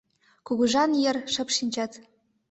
Кугыжан йыр шып шинчат